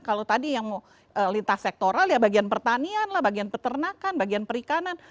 kalau tadi yang mau lintas sektoral ya bagian pertanian lah bagian peternakan bagian perikanan